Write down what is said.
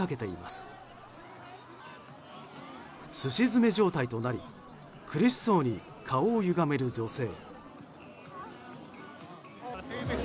すし詰め状態となり苦しそうに顔をゆがめる女性。